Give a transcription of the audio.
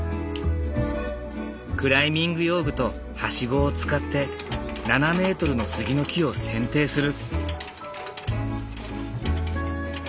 クライミング用具とハシゴを使って７ｍの杉の木を剪定する。